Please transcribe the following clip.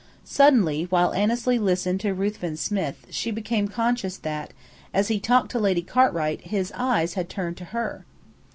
Suddenly, while Annesley listened to Ruthven Smith, she became conscious that, as he talked to Lady Cartwright, his eyes had turned to her.